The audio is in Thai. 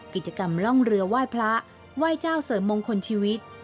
กิจกรรมล่องเรือไหว้พระไหว้เจ้าเสริมมงคลชีวิต